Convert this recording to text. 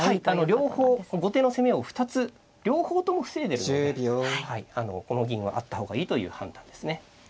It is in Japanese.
両方後手の攻めを２つ両方とも防いでるのでこの銀はあった方がいいという判断ですね。